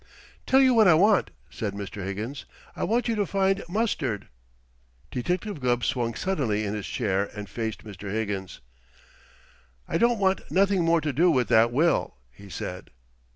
"Tell you what I want," said Mr. Higgins: "I want you to find Mustard." Detective Gubb swung suddenly in his chair and faced Mr. Higgins. "I don't want nothing more to do with that will!" he said.